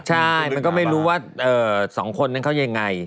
ใช่มันก็ไม่รู้ว่าสองคนนั้นเขายังไง